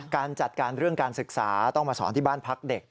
การจัดการเรื่องการศึกษาต้องมาสอนที่บ้านพักเด็ก